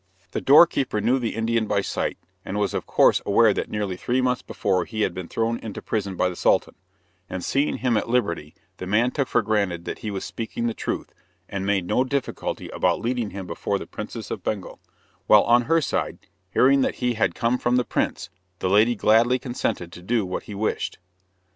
The doorkeeper knew the Indian by sight, and was of course aware that nearly three months before he had been thrown into prison by the Sultan; and seeing him at liberty, the man took for granted that he was speaking the truth, and made no difficulty about leading him before the Princess of Bengal; while on her side, hearing that he had come from the prince, the lady gladly consented to do what he wished.